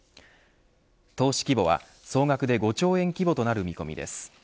投資規模は総額で５兆円規模となる見通しです。